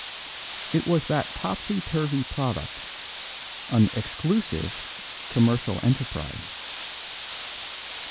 It was that topsy turvy product an "exclusive" commercial enterprise.